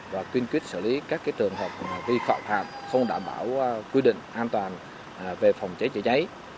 và tuyên quyết xử lý các trường hợp vi phạm hạm không đảm bảo quy định an toàn về phòng cháy chữa cháy